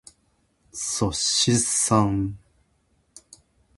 っそしっさん。